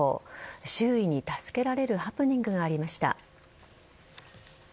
周囲に助けられるハプニングがありました。